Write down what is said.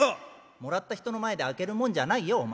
「もらった人の前で開けるもんじゃないよお前。